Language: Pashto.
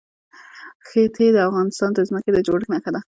ښتې د افغانستان د ځمکې د جوړښت نښه ده.